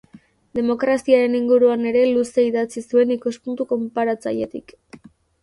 Demokraziaren inguruan ere luze idatzi zuen ikuspuntu konparatzailetik.